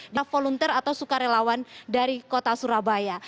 dan juga volunteer atau sukarelawan dari kota surabaya